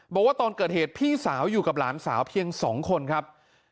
บอกว่าตอนเกิดเหตุพี่สาวอยู่กับหลานสาวเพียง๒คนครับ